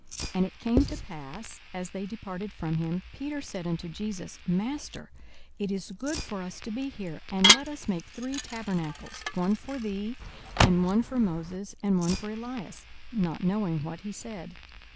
42:009:033 And it came to pass, as they departed from him, Peter said unto Jesus, Master, it is good for us to be here: and let us make three tabernacles; one for thee, and one for Moses, and one for Elias: not knowing what he said.